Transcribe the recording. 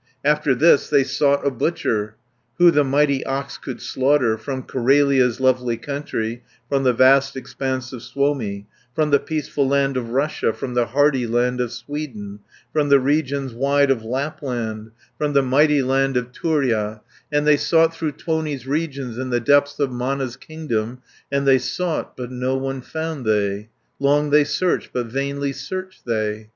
After this they sought a butcher, Who the mighty ox could slaughter, From Carelia's lovely country, From the vast expanse of Suomi, From the peaceful land of Russia, From the hardy land of Sweden, From the regions wide of Lapland, From the mighty land of Turja, 80 And they sought through Tuoni's regions, In the depths of Mana's kingdom, And they sought, but no one found they, Long they searched; but vainly searched they.